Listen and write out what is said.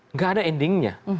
nggak ada endingnya